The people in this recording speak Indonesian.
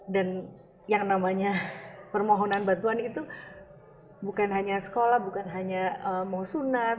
dan yang namanya permohonan bantuan itu bukan hanya sekolah bukan hanya mau sunat